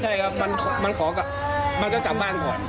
ใช่ครับมันก็จับบ้านก่อน